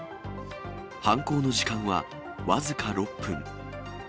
犯行の時間は僅か６分。